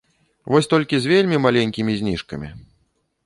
Вось толькі з вельмі маленькімі зніжкамі.